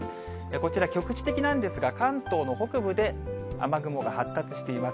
こちら、局地的なんですが、関東の北部で雨雲が発達しています。